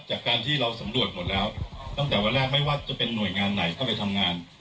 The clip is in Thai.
จากการที่เราสำรวจหมดแล้วตั้งแต่วันแรกไม่ว่าจะเป็นหน่วยงานไหนเข้าไปทำงาน